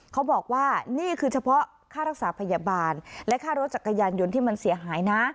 เขาบอกว่านี่คือเฉพาะค่ารักษาพยาบาลและค่ารถจักรยานยนต์ที่มันเสียหายนะ